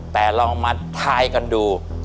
แต่ลองมาทายกันดู